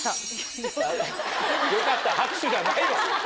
よかった拍手じゃないわ。